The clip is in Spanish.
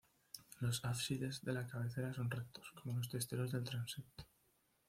Los ábsides de la cabecera son rectos, como los testeros del transepto.